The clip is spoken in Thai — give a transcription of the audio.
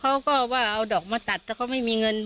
เขาก็ว่าเอาดอกมาตัดแต่เขาไม่มีเงิน